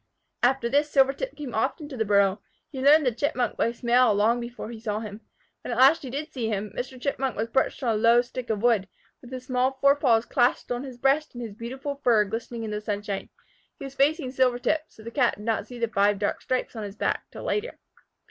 After this Silvertip came often to the burrow. He learned the Chipmunk by smell long before he saw him. When at last he did see him, Mr. Chipmunk was perched on a low stick of wood, with his small fore paws clasped on his breast and his beautiful fur glistening in the sunshine. He was facing Silvertip, so the Cat did not see the five dark stripes on his back till later.